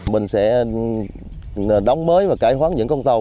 mình sẽ đóng mới và cải hoán những công ty